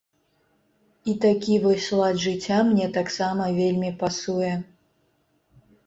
І такі вось лад жыцця мне таксама вельмі пасуе.